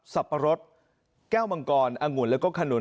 สับปะรดแก้วมังกลองุ่นแล้วก็ขนุน